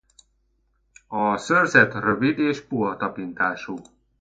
A szőrzet rövid és puha tapintású.